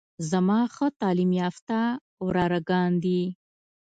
زما ښه تعليم يافته وراره ګان دي.